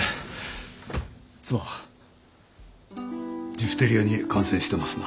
ジフテリアに感染してますな。